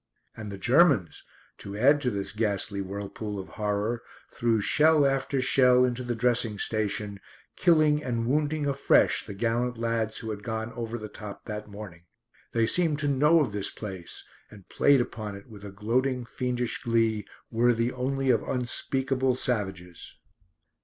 And the Germans, to add to this ghastly whirlpool of horror, threw shell after shell into the dressing station, killing and wounding afresh the gallant lads who had gone "over the top" that morning. They seemed to know of this place and played upon it with a gloating, fiendish glee worthy only of unspeakable savages.